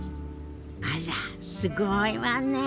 あらすごいわね。